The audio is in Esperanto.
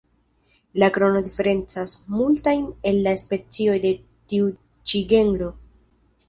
La krono diferencas multajn el la specioj de tiu ĉi genro.